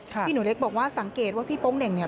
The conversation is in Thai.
ที่หนูเล็กบอกว่าสังเกตว่าพี่โป๊งเหน่งเนี่ย